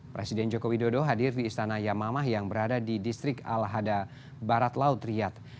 presiden joko widodo hadir di istana yamamah yang berada di distrik al hada barat laut riyad